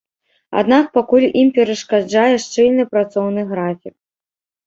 Аднак пакуль ім перашкаджае шчыльны працоўны графік.